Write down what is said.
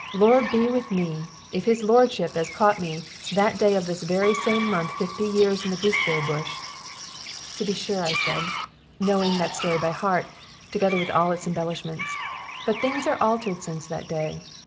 Lord be with me! If his lordship, as caught me, that day of this very same month fifty years, in the gooseberry bush " "To be sure!" I said, knowing that story by heart, together with all its embellishments; "but things are altered since that day.